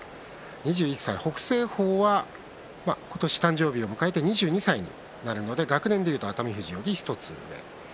２１歳、北青鵬は今年誕生日を迎えて２２歳になるので、学年でいうと熱海富士より１つ上です。